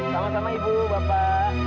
sama sama ibu bapak